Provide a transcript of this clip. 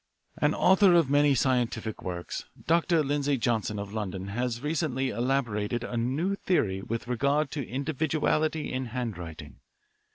"An author of many scientific works, Dr. Lindsay Johnson, of London, has recently elaborated a new theory with regard to individuality in handwriting.